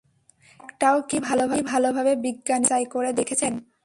একটাও কি ভালোভাবে বিজ্ঞানীরা যাচাই করে দেখেছেন?